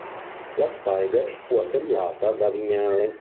La spyder fu assemblata da Vignale.